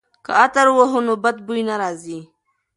که عطر ووهو نو بد بوی نه راځي.